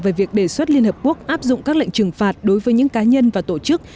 về việc đề xuất liên hợp quốc áp dụng các lệnh trừng phạt đối với những cá nhân và tổ chức